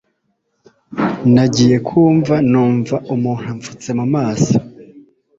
nagiye kumva numva umuntu amfutse mu maso